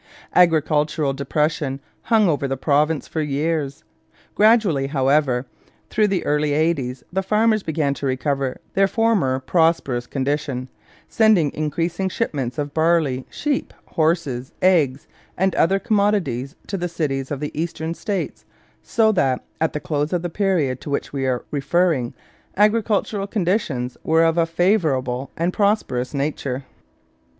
Agricultural depression hung over the province for years. Gradually, however, through the early eighties the farmers began to recover their former prosperous condition, sending increasing shipments of barley, sheep, horses, eggs, and other commodities to the cities of the Eastern States, so that at the close of the period to which we are referring agricultural conditions were of a favourable and prosperous nature.